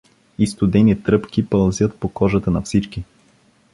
И студени тръпки пълзят по кожата на всички.